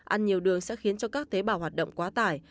ăn nhiều đường sẽ khiến cho các tế bào hoạt động quá tải